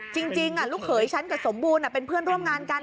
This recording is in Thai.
จริงลูกเขยฉันกับสมบูรณ์เป็นเพื่อนร่วมงานกัน